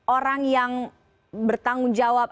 orang yang bertanggung jawab